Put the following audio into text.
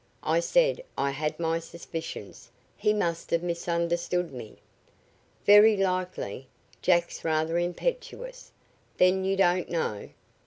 I said I had my suspicions. He must have misunderstood me." "Very likely. Jack's rather impetuous. Then you don't know?"